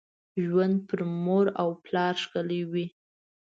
ژوند پر مور او پلار ښکلي وي .